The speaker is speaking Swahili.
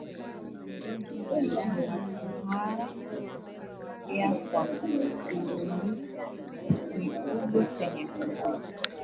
Ugonjwa wa ndama kuhara hutokea kwa kurundika mifugo sehemu moja